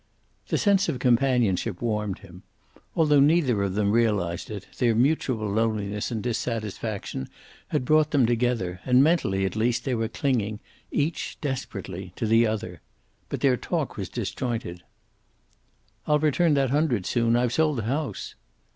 The sense of companionship warmed him. Although neither of them realized it, their mutual loneliness and dissatisfaction had brought them together, and mentally at least they were clinging, each desperately to the other. But their talk was disjointed: "I'll return that hundred soon. I've sold the house."